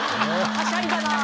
はしゃいだなぁ。